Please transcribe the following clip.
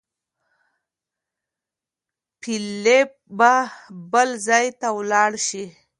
فېلېپ به بل ځای ته ولاړ شي.